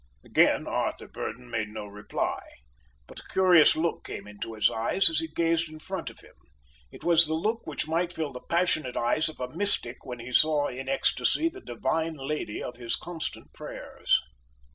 Again Arthur Burdon made no reply, but a curious look came into his eyes as he gazed in front of him. It was the look which might fill the passionate eyes of a mystic when he saw in ecstasy the Divine Lady of his constant prayers.